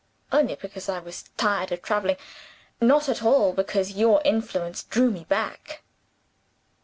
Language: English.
Only because I was tired of traveling not at all because your influence drew me back!